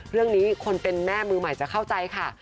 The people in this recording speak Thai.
เรื่องนี้คนเป็นแม่มือใหม่จะเข้าใจค่ะ